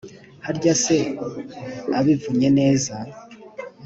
harya se abivunnye neza